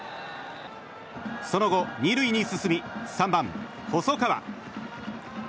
その後、２塁に進み３番、細川。